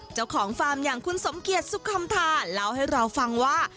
เจ้าของฟาร์มอย่างคุณสมเกียจสุขคำทาเล่าให้เราฟังว่า